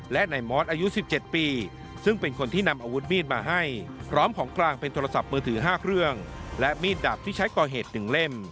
และมีดดับที่ใช้ก่อเหตุ๑เล่ม